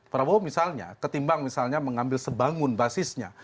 prabowo misalnya ketimbang misalnya mengambil sebangun basisnya